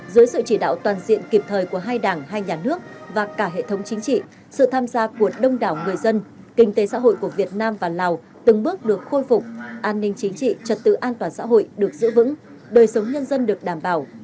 dưới sự chỉ đạo toàn diện kịp thời của hai đảng hai nhà nước và cả hệ thống chính trị sự tham gia của đông đảo người dân kinh tế xã hội của việt nam và lào từng bước được khôi phục an ninh chính trị trật tự an toàn xã hội được giữ vững đời sống nhân dân được đảm bảo